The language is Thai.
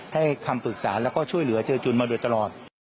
ให้คำปรึกษาแล้วก็ช่วยเหลือเจอจุนมาโดยตลอด